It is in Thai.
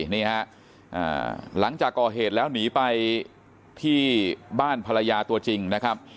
นี่ฮะหลังจากก่อเหตุแล้วหนีไปที่บ้านภรรยาตัวจริงนะครับ